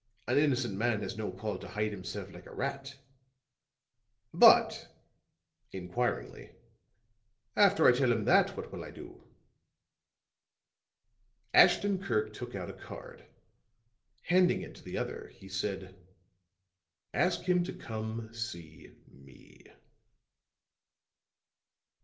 An innocent man has no call to hide himself like a rat. But," inquiringly, "after I tell him that, what will I do?" Ashton Kirk took out a card; handing it to the other, he said: "Ask him to come see me."